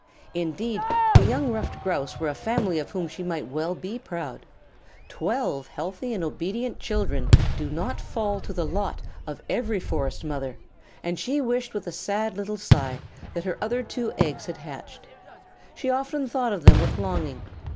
Indeed, the young Ruffed Grouse were a family of whom she might well be proud. Twelve healthy and obedient children do not fall to the lot of every Forest mother, and she wished with a sad little sigh that her other two eggs had hatched. She often thought of them with longing.